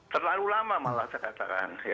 terlalu lama malah saya katakan